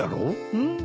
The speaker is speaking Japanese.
うん？